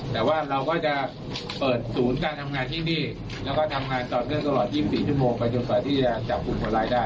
แต่ว่าเราก็จะเปิดศูนย์การทำงานที่นี่แล้วก็ทำงานต่อเนื่องตลอด๒๔ชั่วโมงไปจนกว่าที่จะจับกลุ่มคนร้ายได้